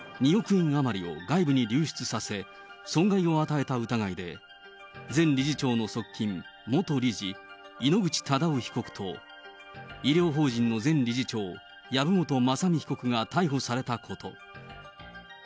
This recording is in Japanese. ２億円余りを外部に流出させ、損害を与えた疑いで、前理事長の側近、元理事、井ノ口忠男被告と、医療法人の前理事長、籔本雅巳被告が逮捕されたこと。